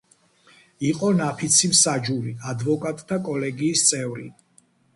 იყო ნაფიცი მსაჯული, ადვოკატთა კოლეგიის წევრი.